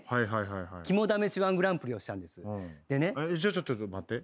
ちょっとちょっと待って。